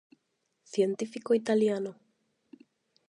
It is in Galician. Científico italiano.